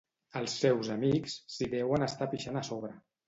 Els seus amics s'hi deuen estar pixant a sobre.